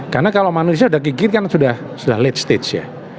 karena kalau manusia sudah gigit kan sudah late stage ya